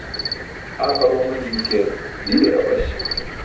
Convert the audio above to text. Aql oomanimi ke jiyar abaś.